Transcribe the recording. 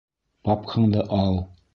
Папкаңды ал!